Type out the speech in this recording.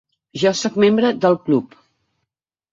Ja soc membre del club.